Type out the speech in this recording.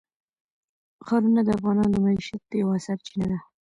ښارونه د افغانانو د معیشت یوه سرچینه ده.